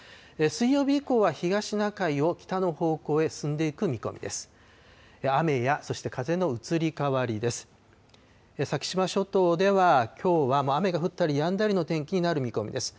水曜日以降は東シナ海を北の方向へ進んでいく見込みです。